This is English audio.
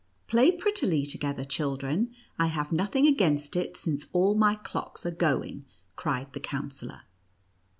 137 " Play prettily together, children ; I have nothing against it, since all my clocks are going," cried the Counsellor.